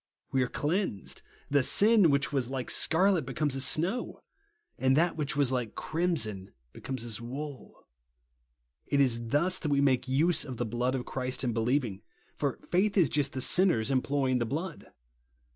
We are cleansed ! The sin which was like scarlet becomes as snow ; and that which was like crimson becomes as wool. It is thus that we make use of the blood of Christ in believing; for faith is just the 6innej:'s employing the blood.